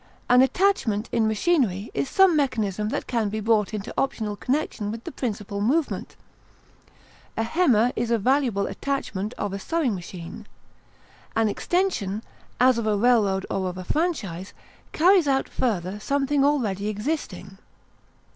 An attachment in machinery is some mechanism that can be brought into optional connection with the principal movement; a hemmer is a valuable attachment of a sewing machine. An extension, as of a railroad or of a franchise, carries out further something already existing.